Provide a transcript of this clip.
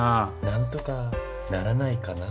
何とかならないかな？